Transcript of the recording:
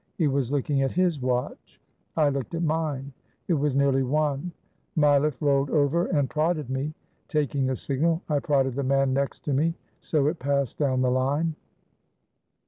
He was looking at his watch. I looked at mine. It was nearly one. Mileff rolled over and prodded me; taking the signal, I prodded the man next to me. So it passed down the line.